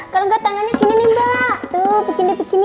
kalau gak tangannya gini nih mbak tuh bikinnya bikinnya